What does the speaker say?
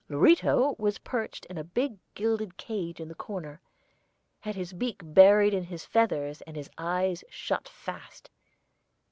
Lorito, who was perched in a big gilded cage in the corner, had his beak buried in his feathers and his eyes shut fast.